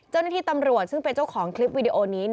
เจ้าหน้าที่ตำรวจซึ่งเป็นเจ้าของคลิปวิดีโอนี้